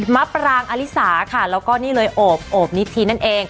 มะปรางอลิสาค่ะแล้วก็นี่เลยโอบโอบนิธีนั่นเอง